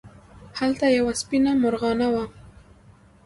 هلته یوه سپېنه مرغانه وه.